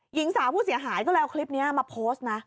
หญิงสาวผู้เสียหายก็เลยเอาคลิปนี้มาโพสต์นะ